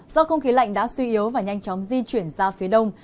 do không khí lạnh đã suy yếu và nhanh chóng di chuyển ra phía đông